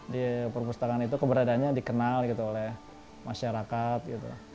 di perpustakaan itu keberadaannya dikenal gitu oleh masyarakat gitu